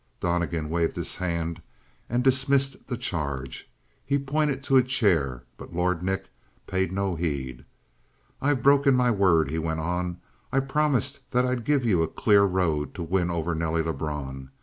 Donnegan waved his hand and dismissed the charge. He pointed to a chair, but Lord Nick paid no heed. "I've broken my word," he went on. "I promised that I'd give you a clear road to win over Nelly Lebrun.